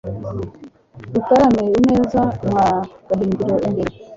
dutarame ineza mwa gahindiro imbere